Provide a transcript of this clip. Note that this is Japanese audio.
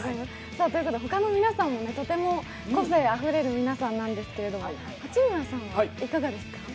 他の皆さんもとても個性あふれる皆さんなんですけれども、八村さんはいかがですか？